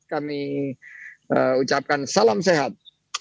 kami ucapkan salam sehat